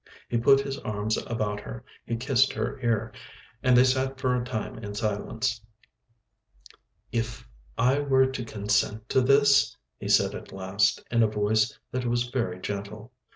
He put his arms about her, he kissed her ear, and they sat for a time in silence. "If I were to consent to this?" he said at last, in a voice that was very gentle.